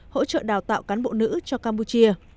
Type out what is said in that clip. hỗ trợ đào tạo cán bộ nữ cho campuchia